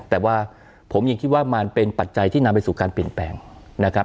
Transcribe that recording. แต่ว่าผมยังคิดว่ามันเป็นปัจจัยที่นำไปสู่การเปลี่ยนแปลงนะครับ